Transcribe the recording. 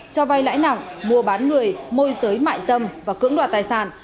cho vay lãi nặng mua bán người môi giới mại dâm và cưỡng đoạt tài sản